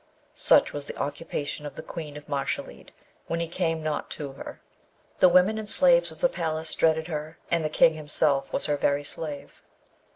Such was the occupation of the Queen of Mashalleed when he came not to her. The women and slaves of the palace dreaded her, and the King himself was her very slave.